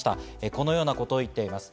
このようなことを言っています。